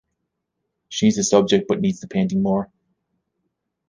She needs the subject but needs the painting more.